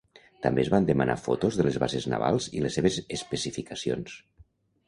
També es van demanar fotos de les bases navals i les seves especificacions.